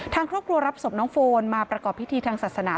ทางครอบครัวรับศพน้องโฟนมาประกอบพิธีทางศาสนา